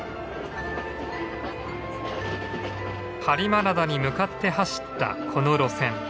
播磨灘に向かって走ったこの路線。